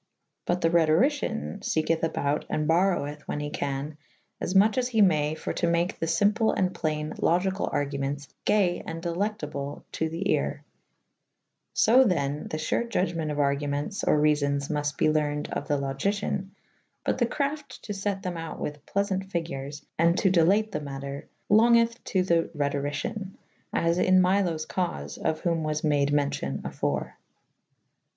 But the Rhetoricyan ieketh abought and boroweth when he can afmuche as he may for to make the fymple and playne Logycall argumentes gay and delectable to the aere.^ fo then the fure Judgement of argu mentes or reafons mufte be lernyd of the Logicyan but the crafte to fet them out with plefaunte fygures and to delate the matter longith' to the Rhetorycian / as in Myloes caufe of* whom was made mewcyon afore.